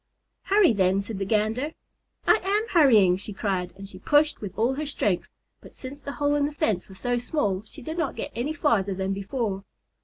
"Hurry, then," said the Gander. "I am hurrying," she cried, and she pushed with all her strength, but since the hole in the fence was so small, she did not get any farther than before.